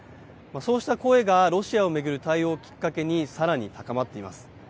そうした声がロシアを巡る対応をきっかけに、さらに高まっています。